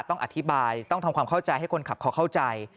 ต้องอธิบายต้องทำความเข้าใจให้คนขับเขาเข้าใจ